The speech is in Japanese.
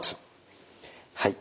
はい。